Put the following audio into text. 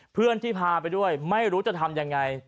เพื่อนที่พาไปด้วยไม่รู้จะทำยังไง